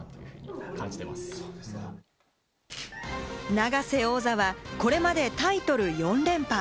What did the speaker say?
永瀬王座は、これまでタイトル４連覇。